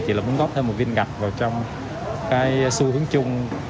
chỉ là muốn góp thêm một viên gạch vào trong cái xu hướng chung